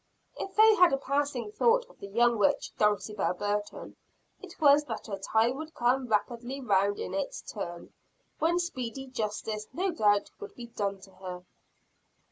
If they had a passing thought of the young witch Dulcibel Burton, it was that her time would come rapidly around in its turn, when speedy justice no doubt would be done to her.